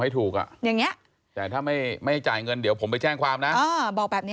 แต่ถ้าไม่จ่ายเงินเดี๋ยวผมไปแจ้งความนะ